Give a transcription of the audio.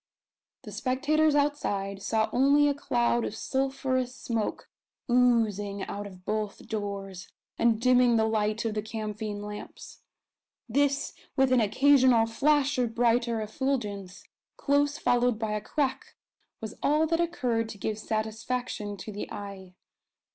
The spectators outside saw only a cloud of sulphurous smoke oozing out of both doors, and dimming the light of the camphine lamps. This, with an occasional flash of brighter effulgence, close followed by a crack, was all that occurred to give satisfaction to the eye.